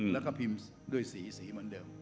แล้วก็พิมพ์ด้วยสีสีเหมือนเดิม